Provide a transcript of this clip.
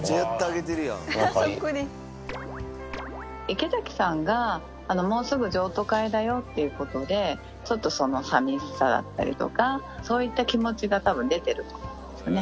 池崎さんがもうすぐ譲渡会だよっていうことで、ちょっとその、さみしさだったりとか、そういった気持ちがたぶん出てると思うんですよね。